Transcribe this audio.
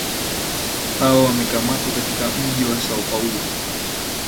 hao wamekamatwa katika mji wa Sao Paulo